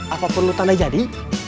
apa perlu tanda jadi